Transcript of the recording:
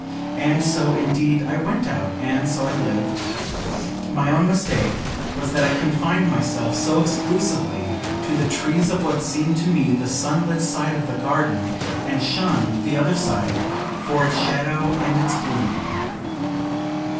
And so, indeed, I went out, and so I lived. My only mistake was that I confined myself so exclusively to the trees of what seemed to me the sun lit side of the garden, and shunned the other side for its shadow and its gloom.